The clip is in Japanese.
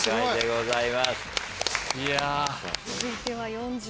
はい。